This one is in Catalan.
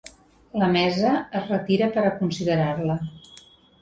La mesa es retira per a considerar-la.